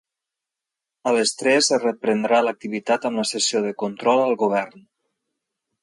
A les tres es reprendrà l’activitat amb la sessió de control al govern.